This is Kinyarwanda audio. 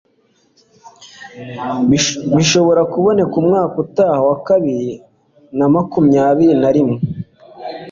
bishobora kuboneka umwaka utaha wa bibiri namakumyabiri narimwe